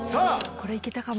これ行けたかも。